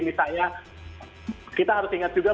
misalnya kita harus ingat juga